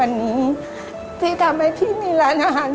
การที่บูชาเทพสามองค์มันทำให้ร้านประสบความสำเร็จ